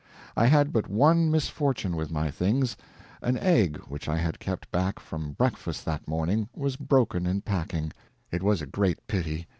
I had but one misfortune with my things. An egg which I had kept back from breakfast that morning, was broken in packing. It was a great pity.